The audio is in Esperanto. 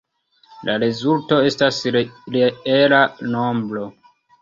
La rezulto estas reela nombro.